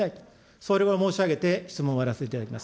それを申し上げて質問を終わらせていただきます。